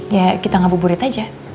ya kita ngabuk burit aja